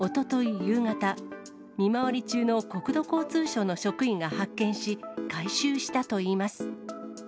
夕方、見回り中の国土交通省の職員が発見し、回収したといいます。